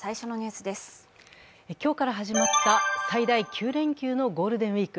今日から始まった最大９連休のゴールデンウイーク。